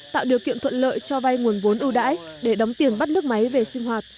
tạo điều kiện thuận lợi cho vay nguồn vốn ưu đãi để đóng tiền bắt nước máy về sinh hoạt